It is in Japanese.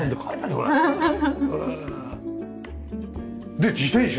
で自転車。